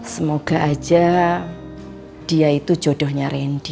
semoga aja dia itu jodohnya randy